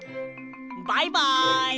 バイバイ！